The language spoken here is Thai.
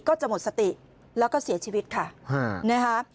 ก็จะหมดสติแล้วก็เสียชีวิตค่ะนะคะ